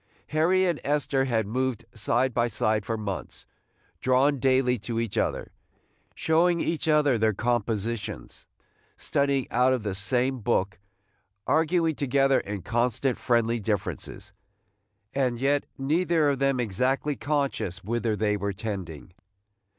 Harry and Esther had moved side by side for months, drawn daily to each other, – showing each other their compositions, studying out of the same book, arguing together in constant friendly differences, – and yet neither of them exactly conscious whither they were tending.